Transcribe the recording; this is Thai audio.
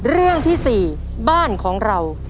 เรื่องที่๔บ้านของเรา